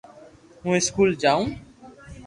ھون اسڪول جاو